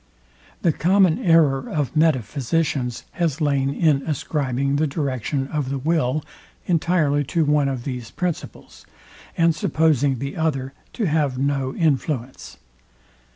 The common error of metaphysicians has lain in ascribing the direction of the will entirely to one of these principles, and supposing the other to have no influence.